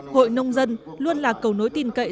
hội nông dân luôn là cầu nối tin cậy